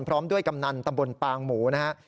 พร้อมด้วยกำนันตำบลปางหมูนะฮะ